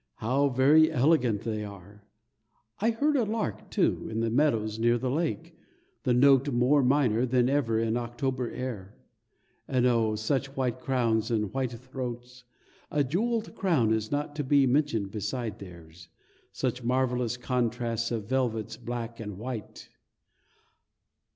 How very elegant they are! I heard a lark, too, in the meadows near the lake, the note more minor than ever in October air. And oh, such white crowns and white throats! A jeweled crown is not to be mentioned beside theirs such marvelous contrasts of velvets, black, and white!